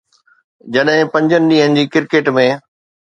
جڏهن پنجن ڏينهن جي ڪرڪيٽ ۾